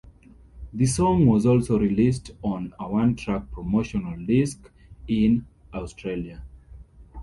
The song was also released on a one-track promotional disc in Australia.